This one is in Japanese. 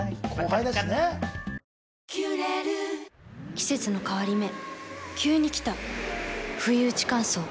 季節の変わり目急に来たふいうち乾燥。